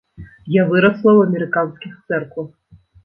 Я вырасла ў амерыканскіх цэрквах.